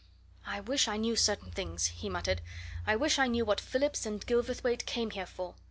"I wish I knew certain things!" he muttered. "I wish I knew what Phillips and Gilverthwaite came here for.